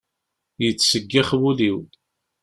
Yettseggix wul-iw.